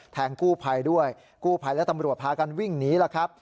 แทงกูไพรด้วยกูไพรแล้วตำรวจพากันวิ่งนีหลังครับ